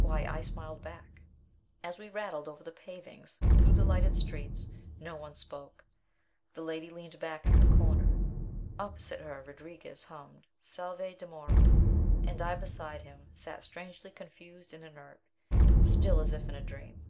Why, I smiled back! As we rattled over the pavings, through the lighted streets, no one spoke. The lady leaned back in her corner. Opposite her Rodriguez hummed "Salve! dimora" and I beside him, sat strangely confused and inert, still as if in a dream.